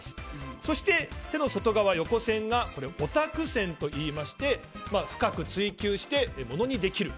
そして手の外側横線がオタク線といいましてものにできる。